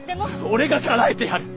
俺がかなえてやる！